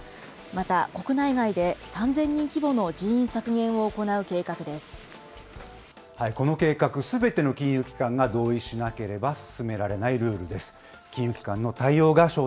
また国内外で３０００人規模の人この計画、すべての金融機関が同意しなければ進められないルールです。